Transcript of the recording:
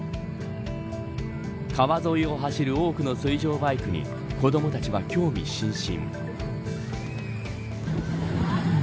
川沿いを走る多くの水上バイクに子どもたちは興味津々。